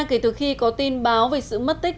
kể từ khi có tin báo về sự mất tích